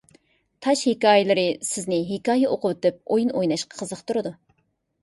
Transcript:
«تاش ھېكايىلىرى» سىزنى ھېكايە ئوقۇۋېتىپ ئويۇن ئويناشقا قىزىقتۇرىدۇ.